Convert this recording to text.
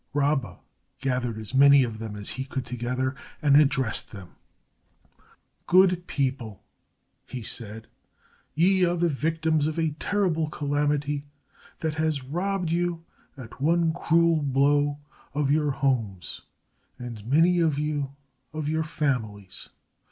Rabba gathered as many of them as he could together and addressed them. "Good people," he said, "ye are the victims of a terrible calamity that has robbed you at one cruel blow of your homes, and many of you of your families.